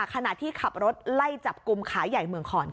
ขณะที่ขับรถไล่จับกลุ่มขาใหญ่เมืองคอน